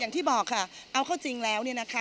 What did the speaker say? อย่างที่บอกค่ะเอาเข้าจริงแล้วเนี่ยนะคะ